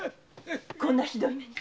こんなひどい目に。